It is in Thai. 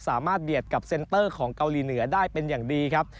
เบียดกับเซ็นเตอร์ของเกาหลีเหนือได้เป็นอย่างดีครับ